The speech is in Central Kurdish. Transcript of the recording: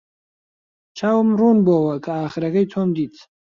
چاوم ڕوون بووەوە کە ئاخرەکەی تۆم دیت.